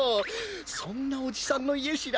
そんなおじさんのいえしらない？